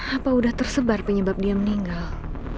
apa sudah tersebar penyebab dia meninggal